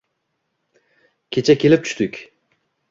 Kecha kelib tushdik.